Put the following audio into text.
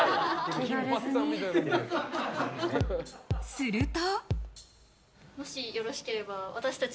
すると。